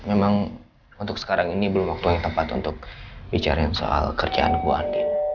memang untuk sekarang ini belum waktu yang tepat untuk bicara soal kerjaan mbak andin